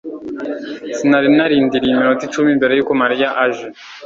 Sinari narindiriye iminota icumi mbere yuko Mariya aje